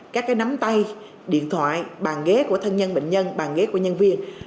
các cái nắm tay điện thoại bàn ghế của thân nhân bệnh nhân bàn ghế của nhân viên